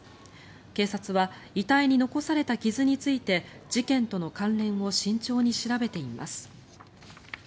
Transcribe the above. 警察は遺体に残された傷について事件との関連を慎重に調べています。